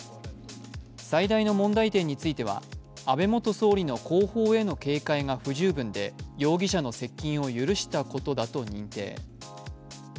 最大の問題点については、安倍元総理の後方への警戒が不十分で容疑者の接近を許したことだと認定。